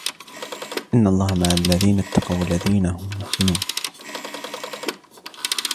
إِنَّ اللَّهَ مَعَ الَّذِينَ اتَّقَوْا وَالَّذِينَ هُمْ مُحْسِنُونَ